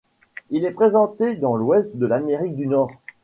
Il est présent dans l'ouest de l'Amérique du Nord.